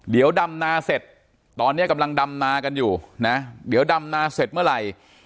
เดี๋ยวดำนาเสร็จตอนนี้กำลังดำนากันอยู่นะเดี๋ยวดำนาเสร็จเมื่อไหร่